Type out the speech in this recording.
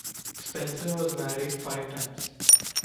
Spencer was married five times.